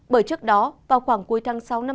bởi trước đó vào khoảng cuối tháng sau